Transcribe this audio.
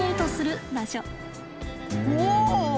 お！